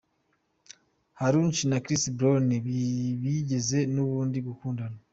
Karrueche na Chris Brown bigeze n'ubundi gukundana.